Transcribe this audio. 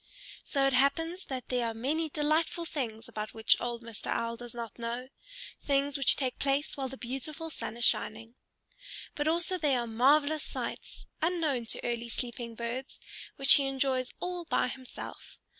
So it happens that there are many delightful things about which old Mr. Owl does not know, things which take place while the beautiful sun is shining. But also there are marvelous sights, unknown to early sleeping birds, which he enjoys all by himself.